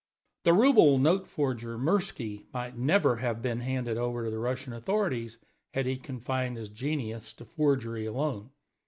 The ruble note forger Mirsky might never have been handed over to the Russian authorities had he confined his genius to forgery alone.